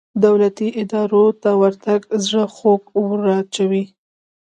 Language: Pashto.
دولتي ادارو ته ورتګ زړه خوږ وراچوي.